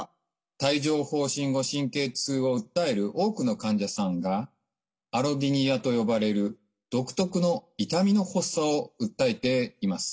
帯状ほう疹後神経痛を訴える多くの患者さんがアロディニアと呼ばれる独特の痛みの発作を訴えています。